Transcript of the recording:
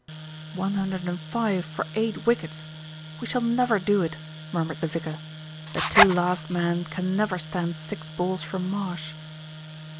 "One hundred and five for eight wickets. We shall never do it," murmured the vicar. "The two last men can never stand six balls from Marsh."